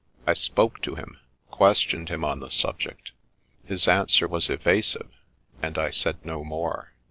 I spoke to him, questioned him on the subject ; his answer was evasive, and I said no more.